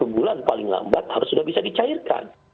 dua bulan paling lambat harus sudah bisa dicairkan